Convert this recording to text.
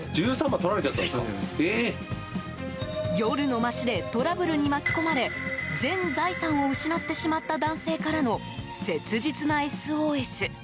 夜の街でトラブルに巻き込まれ全財産を失ってしまった男性からの切実なＳＯＳ。